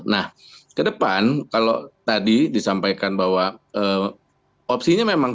nah ke depan kalau tadi disampaikan bahwa opsinya memang